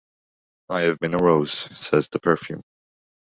I have been a rose, says the perfume.